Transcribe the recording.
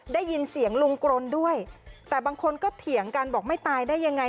ได้ยินเสียงลุงกรนด้วยแต่บางคนก็เถียงกันบอกไม่ตายได้ยังไง